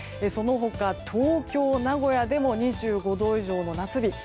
その他、東京、名古屋でも２５度以上の夏日。